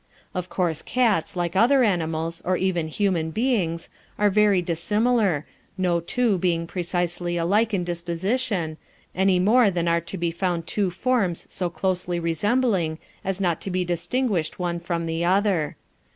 Of course cats, like other animals, or even human beings, are very dissimilar, no two being precisely alike in disposition, any more than are to be found two forms so closely resembling as not to be distinguished one from the other.